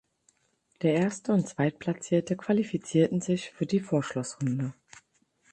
Der erste und zweit Platzierte qualifizierten sich für die Vorschlussrunde.